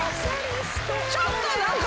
ちょっと何か。